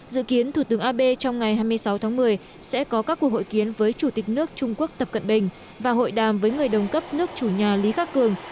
dự kiến thủ tướng abe trong ngày hai mươi sáu tháng một mươi sẽ có các cuộc hội kiến với chủ tịch nước trung quốc tập cận bình và hội đàm với người đồng cấp nước chủ nhà lý khắc cường